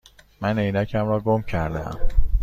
من عینکم را گم کرده ام.